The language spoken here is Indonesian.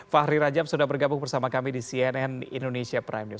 fahri rajab sudah bergabung bersama kami di cnn indonesia prime news